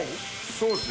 そうですね